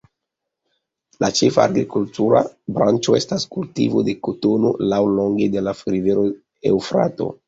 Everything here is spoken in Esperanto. La ĉefa agrikultura branĉo estas kultivo de kotono laŭlonge de la rivero Eŭfrato.